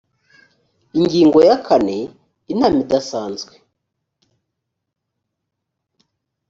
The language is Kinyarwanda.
ingingo ya kane inama idasanzwe